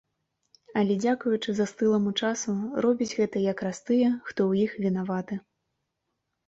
Але дзякуючы застыламу часу робяць гэта якраз тыя, хто ў іх вінаваты!